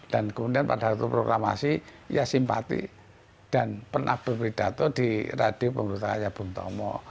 dan kemudian pada waktu programasi ia simpati dan pernah berpredato di radio pemerintahnya bung tomo